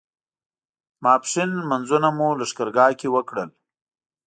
ماسپښین لمونځونه مو لښکرګاه کې وکړل.